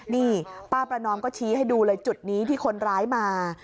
นี่ป้าประนอมก็ชี้ให้ดูเลยจุดนี้ที่คนร้ายมา